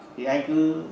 thì anh cứ